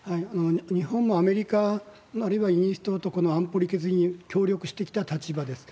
日本もアメリカ、あるいはイギリスとの安保理決議、協力してきた立場です。